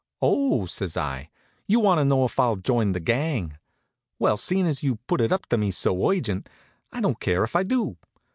"Oh!" says I. "You want to know if I'll join the gang? Well, seein' as you've put it up to me so urgent, I don't care if I do.